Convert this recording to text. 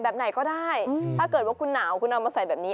แบบไหนก็ได้ถ้าเกิดว่าคุณหนาวคุณเอามาใส่แบบนี้